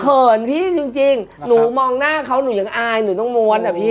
เขินพี่จริงหนูมองหน้าเขาหนูยังอายหนูต้องม้วนอ่ะพี่